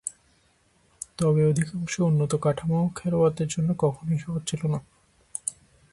তবে, অধিকাংশ উন্নত কাঠামো খেলোয়াড়দের জন্য কখনোই সহজ ছিল না।